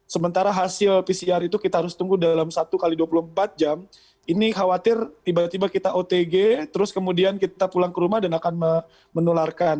sementara hasil pcr itu kita harus tunggu dalam satu x dua puluh empat jam ini khawatir tiba tiba kita otg terus kemudian kita pulang ke rumah dan akan menularkan